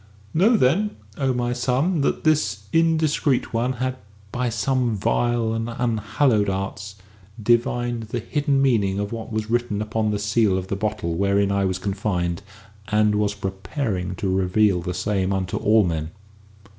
Know then, O my son, that this indiscreet one had, by some vile and unhallowed arts, divined the hidden meaning of what was written upon the seal of the bottle wherein I was confined, and was preparing to reveal the same unto all men."